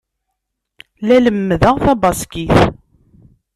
La lemmdeɣ tabaskit.